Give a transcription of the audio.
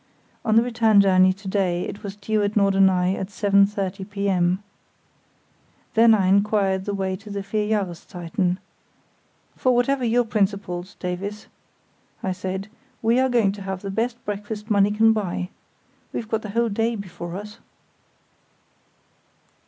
On the return journey to day it was due at Norderney at 7.30 p.m. Then I inquired the way to the "Vier Jahreszeiten". "For whatever your principles, Davies," I said, "we are going to have the best breakfast money can buy! We've got the whole day before us."